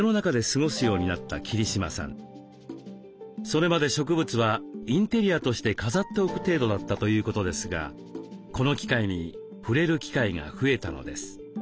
それまで植物はインテリアとして飾っておく程度だったということですがこの機会に触れる機会が増えたのです。